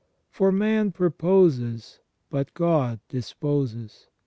For man proposes, but God disposes.